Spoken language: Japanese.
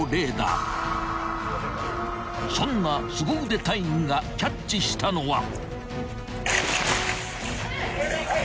［そんなすご腕隊員がキャッチしたのは］